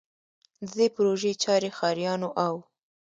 د دې پروژې چارې ښاریانو او